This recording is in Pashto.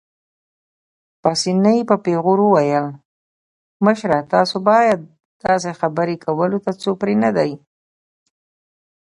پاسیني په پېغور وویل: مشره، تاسو باید داسې خبرې کولو ته څوک پرېنږدئ.